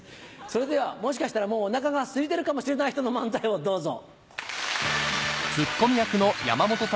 それではもしかしたらもうお腹がすいてるかもしれない人の漫才をどうぞ。